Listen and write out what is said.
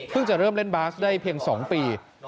เพิ่งจะเริ่มเล่นบาร์สได้เพียง๒ปี